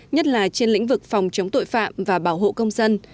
nhất là trên lĩnh vực phòng chống tội phạm và bảo hộ công dân